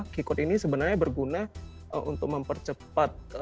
key code ini sebenarnya berguna untuk mempercepat